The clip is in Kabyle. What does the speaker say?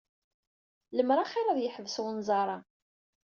Lemmer axir ad yeḥbes unẓar-a.